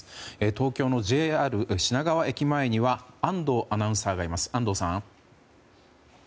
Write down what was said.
東京のＪＲ品川駅前には安藤アナウンサーがいます。